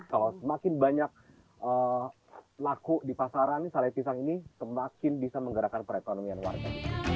kalau semakin banyak laku di pasaran sale pisang ini semakin bisa menggerakkan perekonomian warga